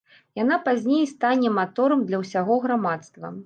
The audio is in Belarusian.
Яна пазней стане маторам для ўсяго грамадства.